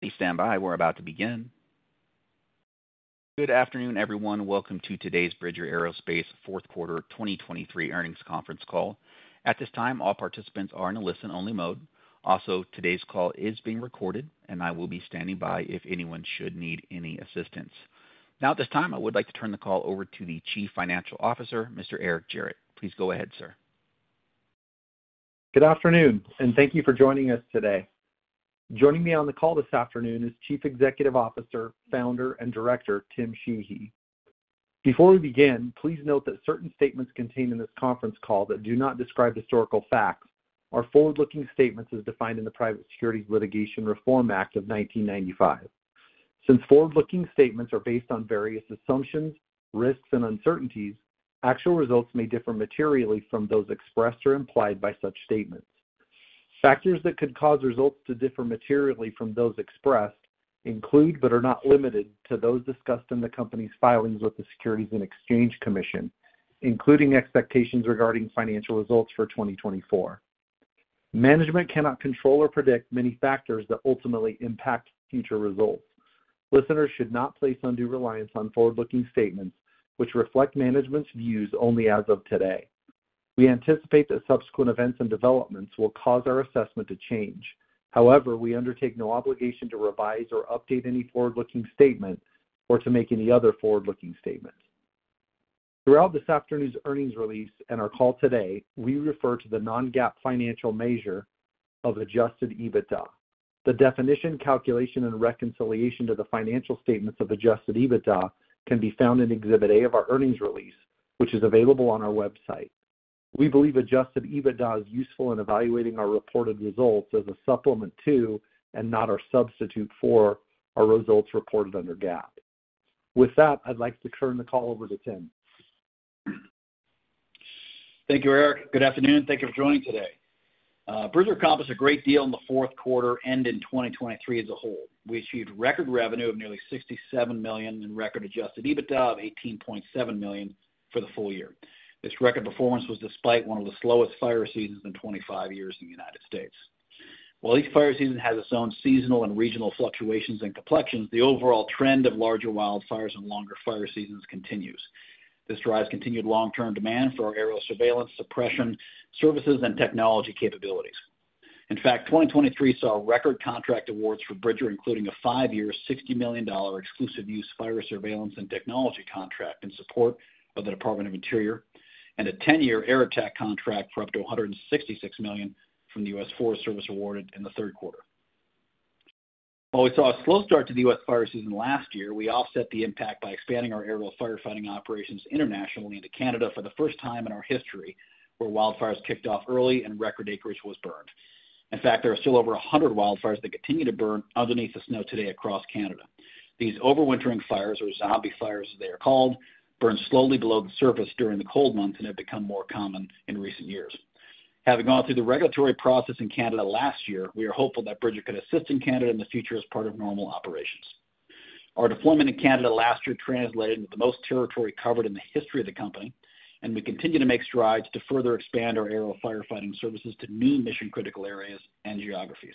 Please stand by. We're about to begin. Good afternoon, everyone. Welcome to today's Bridger Aerospace 4th Quarter 2023 earnings conference call. At this time, all participants are in a listen-only mode. Also, today's call is being recorded, and I will be standing by if anyone should need any assistance. Now, at this time, I would like to turn the call over to the Chief Financial Officer, Mr. Eric Gerratt. Please go ahead, sir. Good afternoon, and thank you for joining us today. Joining me on the call this afternoon is Chief Executive Officer, Founder, and Director Tim Sheehy. Before we begin, please note that certain statements contained in this conference call that do not describe historical facts are forward-looking statements as defined in the Private Securities Litigation Reform Act of 1995. Since forward-looking statements are based on various assumptions, risks, and uncertainties, actual results may differ materially from those expressed or implied by such statements. Factors that could cause results to differ materially from those expressed include but are not limited to those discussed in the company's filings with the Securities and Exchange Commission, including expectations regarding financial results for 2024. Management cannot control or predict many factors that ultimately impact future results. Listeners should not place undue reliance on forward-looking statements which reflect management's views only as of today. We anticipate that subsequent events and developments will cause our assessment to change. However, we undertake no obligation to revise or update any forward-looking statement or to make any other forward-looking statements. Throughout this afternoon's earnings release and our call today, we refer to the non-GAAP financial measure of Adjusted EBITDA. The definition, calculation, and reconciliation to the financial statements of Adjusted EBITDA can be found in Exhibit A of our earnings release, which is available on our website. We believe Adjusted EBITDA is useful in evaluating our reported results as a supplement to and not a substitute for our results reported under GAAP. With that, I'd like to turn the call over to Tim. Thank you, Eric. Good afternoon. Thank you for joining today. Bridger accomplished a great deal in the fourth quarter ending 2023 as a whole. We achieved record revenue of nearly $67 million in record Adjusted EBITDA of $18.7 million for the full year. This record performance was despite one of the slowest fire seasons in 25 years in the United States. While each fire season has its own seasonal and regional fluctuations and complexions, the overall trend of larger wildfires and longer fire seasons continues. This drives continued long-term demand for our aerial surveillance, suppression services, and technology capabilities. In fact, 2023 saw record contract awards for Bridger, including a 5-year, $60 million exclusive-use fire surveillance and technology contract in support of the Department of the Interior, and a 10-year Air Attack contract for up to $166 million from the U.S. Forest Service awarded in the third quarter. While we saw a slow start to the U.S. fire season last year, we offset the impact by expanding our aerial firefighting operations internationally into Canada for the first time in our history where wildfires kicked off early and record acreage was burned. In fact, there are still over 100 wildfires that continue to burn underneath the snow today across Canada. These overwintering fires, or zombie fires as they are called, burn slowly below the surface during the cold months and have become more common in recent years. Having gone through the regulatory process in Canada last year, we are hopeful that Bridger could assist in Canada in the future as part of normal operations. Our deployment in Canada last year translated into the most territory covered in the history of the company, and we continue to make strides to further expand our aerial firefighting services to new mission-critical areas and geographies.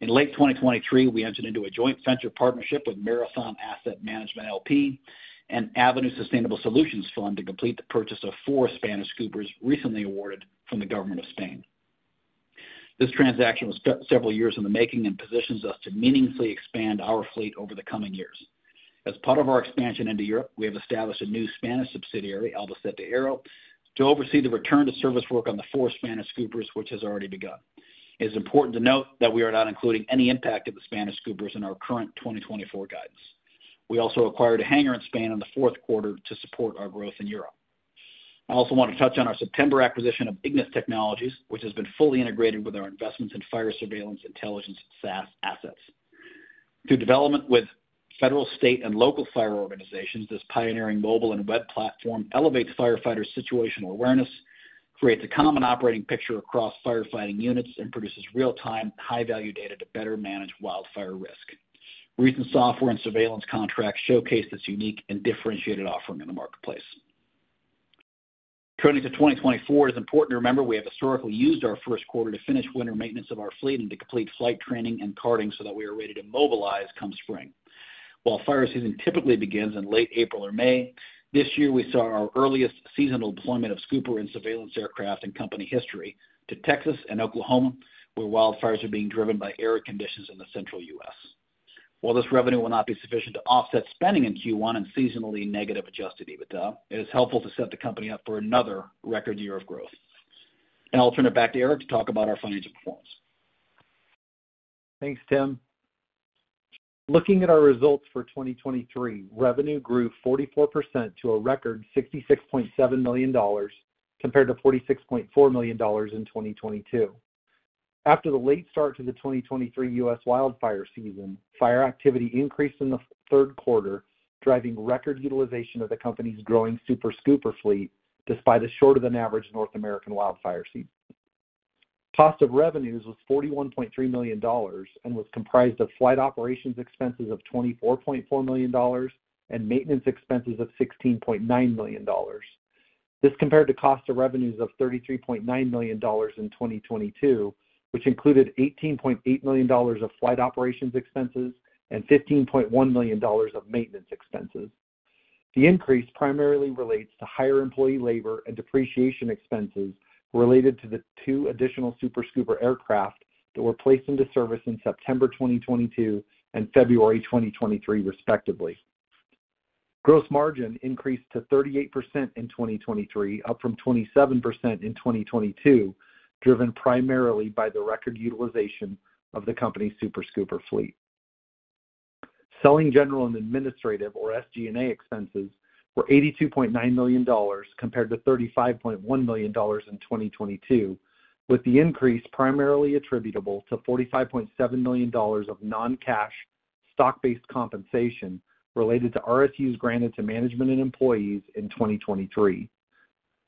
In late 2023, we entered into a joint venture partnership with Marathon Asset Management, L.P., and Avenue Sustainable Solutions Fund to complete the purchase of four Spanish scoopers recently awarded from the Government of Spain. This transaction was several years in the making and positions us to meaningfully expand our fleet over the coming years. As part of our expansion into Europe, we have established a new Spanish subsidiary, Albacete Aero, to oversee the return to service work on the four Spanish scoopers, which has already begun. It is important to note that we are not including any impact of the Spanish scoopers in our current 2024 guidance. We also acquired a hangar in Spain in the fourth quarter to support our growth in Europe. I also want to touch on our September acquisition of Ignis Technologies, which has been fully integrated with our investments in fire surveillance intelligence SaaS assets. Through development with federal, state, and local fire organizations, this pioneering mobile and web platform elevates firefighters' situational awareness, creates a common operating picture across firefighting units, and produces real-time, high-value data to better manage wildfire risk. Recent software and surveillance contracts showcase this unique and differentiated offering in the marketplace. Turning to 2024, it is important to remember we have historically used our first quarter to finish winter maintenance of our fleet and to complete flight training and carding so that we are ready to mobilize come spring. While fire season typically begins in late April or May, this year we saw our earliest seasonal deployment of scooper and surveillance aircraft in company history to Texas and Oklahoma, where wildfires are being driven by air conditions in the central U.S. While this revenue will not be sufficient to offset spending in Q1 and seasonally negative Adjusted EBITDA, it is helpful to set the company up for another record year of growth. Now, I'll turn it back to Eric to talk about our financial performance. Thanks, Tim. Looking at our results for 2023, revenue grew 44% to a record $66.7 million compared to $46.4 million in 2022. After the late start to the 2023 U.S. wildfire season, fire activity increased in the third quarter, driving record utilization of the company's growing Super Scooper fleet despite a shorter-than-average North American wildfire season. Cost of revenues was $41.3 million and was comprised of flight operations expenses of $24.4 million and maintenance expenses of $16.9 million. This compared to cost of revenues of $33.9 million in 2022, which included $18.8 million of flight operations expenses and $15.1 million of maintenance expenses. The increase primarily relates to higher employee labor and depreciation expenses related to the two additional Super Scooper aircraft that were placed into service in September 2022 and February 2023, respectively. Gross margin increased to 38% in 2023, up from 27% in 2022, driven primarily by the record utilization of the company's Super Scooper fleet. Selling general and administrative, or SG&A, expenses were $82.9 million compared to $35.1 million in 2022, with the increase primarily attributable to $45.7 million of non-cash, stock-based compensation related to RSUs granted to management and employees in 2023.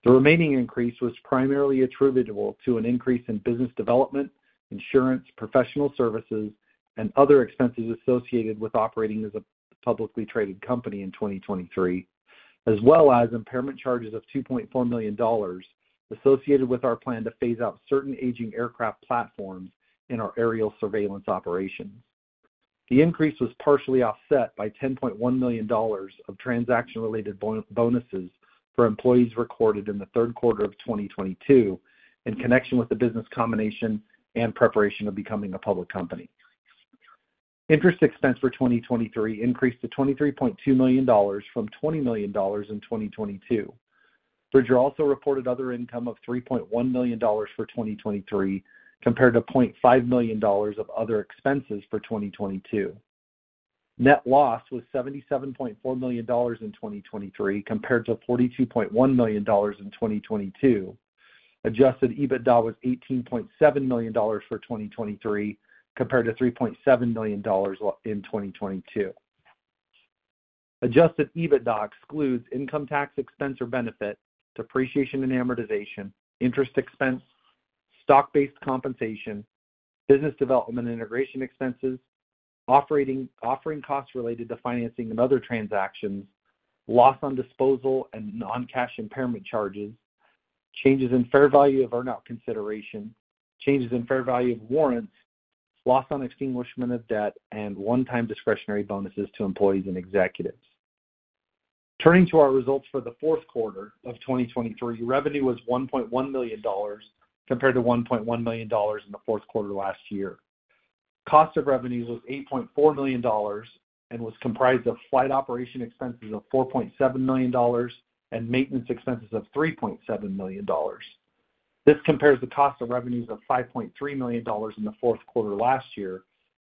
The remaining increase was primarily attributable to an increase in business development, insurance, professional services, and other expenses associated with operating as a publicly traded company in 2023, as well as impairment charges of $2.4 million associated with our plan to phase out certain aging aircraft platforms in our aerial surveillance operations. The increase was partially offset by $10.1 million of transaction-related bonuses for employees recorded in the third quarter of 2022 in connection with the business combination and preparation of becoming a public company. Interest expense for 2023 increased to $23.2 million from $20 million in 2022. Bridger also reported other income of $3.1 million for 2023 compared to $0.5 million of other expenses for 2022. Net loss was $77.4 million in 2023 compared to $42.1 million in 2022. Adjusted EBITDA was $18.7 million for 2023 compared to $3.7 million in 2022. Adjusted EBITDA excludes income tax expense or benefit, depreciation and amortization, interest expense, stock-based compensation, business development and integration expenses, offering costs related to financing and other transactions, loss on disposal and non-cash impairment charges, changes in fair value of earn-out consideration, changes in fair value of warrants, loss on extinguishment of debt, and one-time discretionary bonuses to employees and executives. Turning to our results for the fourth quarter of 2023, revenue was $1.1 million compared to $1.1 million in the fourth quarter last year. Cost of revenues was $8.4 million and was comprised of flight operation expenses of $4.7 million and maintenance expenses of $3.7 million. This compares the cost of revenues of $5.3 million in the fourth quarter last year,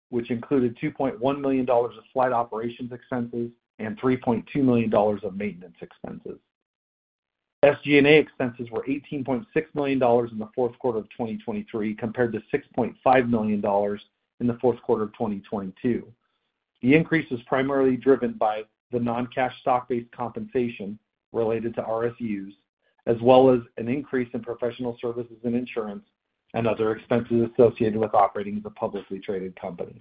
which included $2.1 million of flight operations expenses and $3.2 million of maintenance expenses. SG&A expenses were $18.6 million in the fourth quarter of 2023 compared to $6.5 million in the fourth quarter of 2022. The increase was primarily driven by the non-cash, stock-based compensation related to RSUs, as well as an increase in professional services and insurance and other expenses associated with operating as a publicly traded company.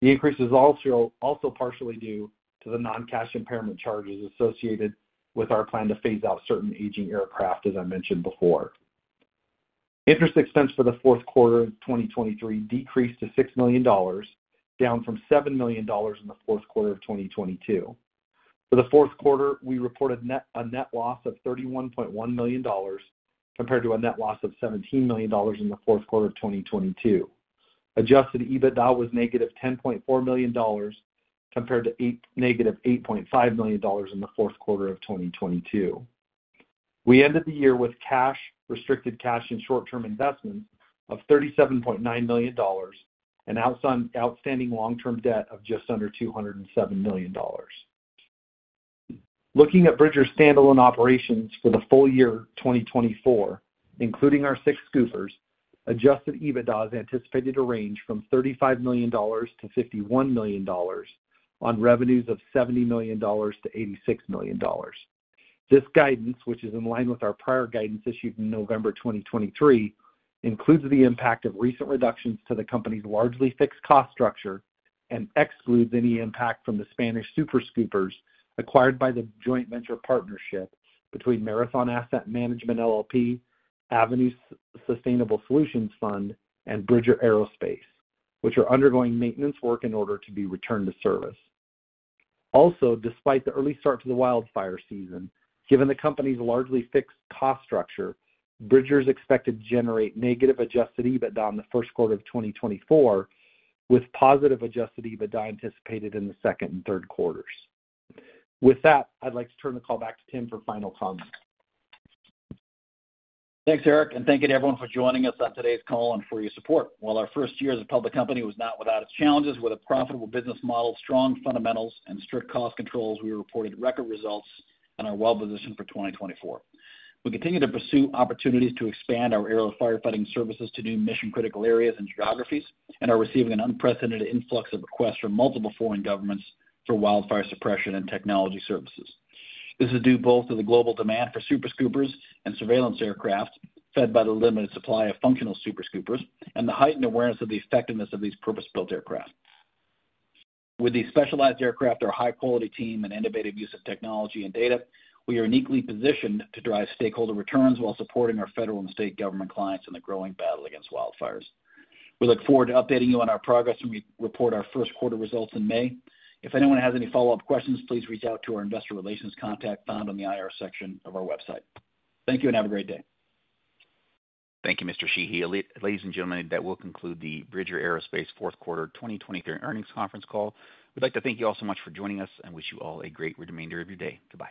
The increase is also partially due to the non-cash impairment charges associated with our plan to phase out certain aging aircraft, as I mentioned before. Interest expense for the fourth quarter of 2023 decreased to $6 million, down from $7 million in the fourth quarter of 2022. For the fourth quarter, we reported a net loss of $31.1 million compared to a net loss of $17 million in the fourth quarter of 2022. Adjusted EBITDA was -$10.4 million compared to -$8.5 million in the fourth quarter of 2022. We ended the year with cash, restricted cash, and short-term investments of $37.9 million and outstanding long-term debt of just under $207 million. Looking at Bridger's standalone operations for the full year 2024, including our six scoopers, Adjusted EBITDA is anticipated to range from $35 million-$51 million on revenues of $70 million-$86 million. This guidance, which is in line with our prior guidance issued in November 2023, includes the impact of recent reductions to the company's largely fixed cost structure and excludes any impact from the Spanish Super Scoopers acquired by the joint venture partnership between Marathon Asset Management, L.P., Avenue Sustainable Solutions Fund, and Bridger Aerospace, which are undergoing maintenance work in order to be returned to service. Also, despite the early start to the wildfire season, given the company's largely fixed cost structure, Bridger is expected to generate negative Adjusted EBITDA in the first quarter of 2024, with positive Adjusted EBITDA anticipated in the second and third quarters. With that, I'd like to turn the call back to Tim for final comments. Thanks, Eric. Thank you to everyone for joining us on today's call and for your support. While our first year as a public company was not without its challenges, with a profitable business model, strong fundamentals, and strict cost controls, we reported record results and are well positioned for 2024. We continue to pursue opportunities to expand our aerial firefighting services to new mission-critical areas and geographies, and are receiving an unprecedented influx of requests from multiple foreign governments for wildfire suppression and technology services. This is due both to the global demand for Super Scoopers and surveillance aircraft fed by the limited supply of functional Super Scoopers and the heightened awareness of the effectiveness of these purpose-built aircraft. With these specialized aircraft, our high-quality team and innovative use of technology and data, we are uniquely positioned to drive stakeholder returns while supporting our federal and state government clients in the growing battle against wildfires. We look forward to updating you on our progress and report our first quarter results in May. If anyone has any follow-up questions, please reach out to our investor relations contact found on the IR section of our website. Thank you and have a great day. Thank you, Mr. Sheehy. Ladies and gentlemen, that will conclude the Bridger Aerospace fourth quarter 2023 earnings conference call. We'd like to thank you all so much for joining us and wish you all a great remainder of your day. Bye-bye.